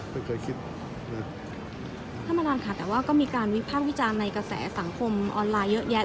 ไม่เคยคิดธรรมดาลณ์ค่ะแต่ว่าก็มีการวิภาพวิจารณ์ในกระแสสังคมออนไลน์เยอะแยะ